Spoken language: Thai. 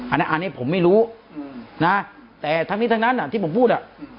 อันนี้ผมไม่รู้นะแต่ทั้งนี้ทั้งนั้นที่ผมพูดอ่ะ